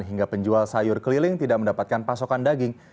hingga penjual sayur keliling tidak mendapatkan pasokan daging